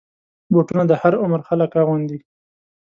بوټونه د هر عمر خلک اغوندي.